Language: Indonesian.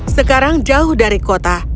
sekarang jauh dari kota